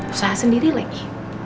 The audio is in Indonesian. usaha sendiri lagi